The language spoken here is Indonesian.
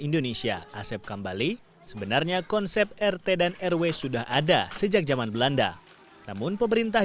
jepang jawa tengah